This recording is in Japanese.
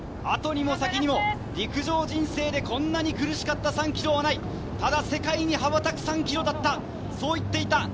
後にも先にも陸上人生でこんなに苦しかった３ｋｍはない、ただ世界に羽ばたく３ｋｍだった、そう言っていた。